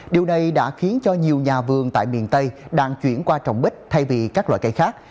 điều này đã khiến cho nhiều nhà vườn tại miền tây đang chuyển qua trồng bích thay vì các loại cây khác